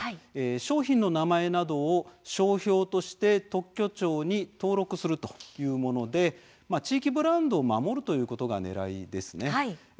商品などの名前を商標として特許庁に登録するというもので地域ブランドを守るということがねらいです。